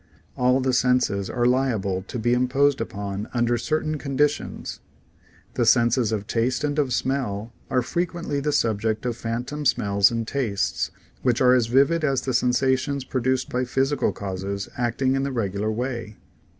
All the senses are liable to be imposed upon under certain conditions. The senses of taste and of smell are frequently the subject of phantom smells and tastes, which are as vivid as the sensations produced by physical causes acting in the regular way.